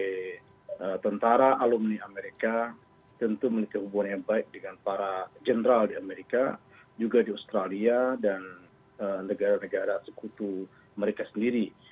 sebagai tentara alumni amerika tentu memiliki hubungan yang baik dengan para jenderal di amerika juga di australia dan negara negara sekutu mereka sendiri